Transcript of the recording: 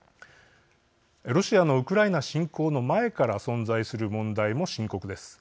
ロシアのウクライナ侵攻の前から存在する問題も深刻です。